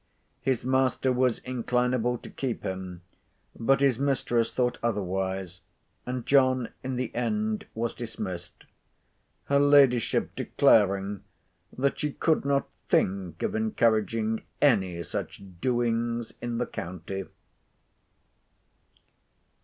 His master was inclinable to keep him, but his mistress thought otherwise; and John in the end was dismissed, her ladyship declaring that she "could not think of encouraging any such doings in the county."